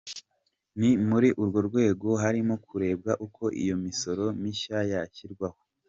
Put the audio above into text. Ni muri urwo rwego harimo kurebwa uko iyo misoro mishya yashyirwaho.